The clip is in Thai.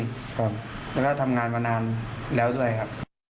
แล้วก็ทำงานมานานแล้วด้วยครับ